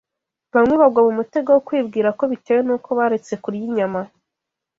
Bamwe bagwa mu mutego wo kwibwira ko bitewe n’uko baretse kurya inyama